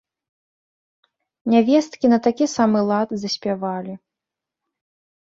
Нявесткі на такі самы лад заспявалі.